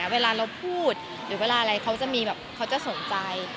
เวลาเราพูดหรือเวลาอะไรเขาจะสนใจ